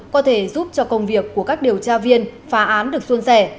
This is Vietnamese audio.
có thể giúp cho công việc của các điều tra viên phá án được xuân rẻ